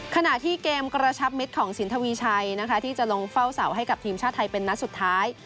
ขณะที่เกมกระชับมิตรของสินทวีชัยนะคะที่จะลงเฝ้าเสาให้กับทีมชาติไทยเป็นนัดสุดท้าย